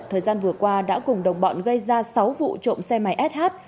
thời gian vừa qua đã cùng đồng bọn gây ra sáu vụ trộm xe máy sh